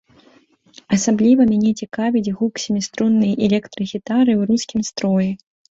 Асабліва мяне цікавіць гук сяміструннай электрагітары ў рускім строі.